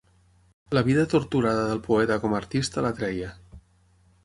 La vida torturada del poeta com a artista l'atreia.